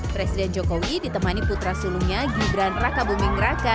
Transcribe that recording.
presiden jokowi ditemani putra sulungnya gibran raka buming raka